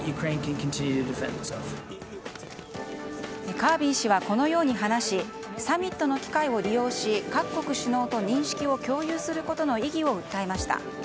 カービー氏はこのように話しサミットの機会を利用し各国首脳と認識を共有することの意義を訴えました。